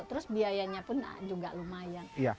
terus biayanya pun juga lumayan